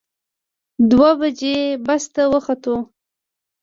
دوه بجې بس ته وختو.